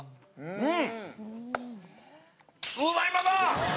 うん！